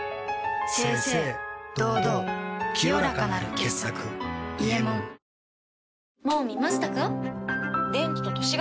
清々堂々清らかなる傑作「伊右衛門」酸辣湯